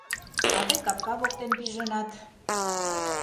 А тый капка воктен пижынат.